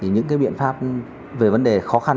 những biện pháp về vấn đề khó khăn